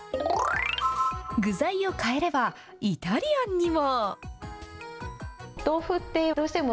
具材を変えれば、イタリアンにも。